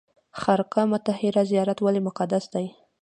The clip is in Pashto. خرقه مطهره زیارت ولې مقدس دی؟